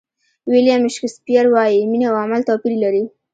ویلیام شکسپیر وایي مینه او عمل توپیر لري.